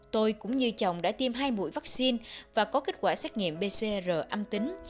tôi cũng như chồng đã tiêm hai mũi vaccine và có kết quả xét nghiệm pcr âm tính